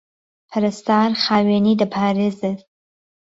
پهرستار خاوێنیی دهپارێزێت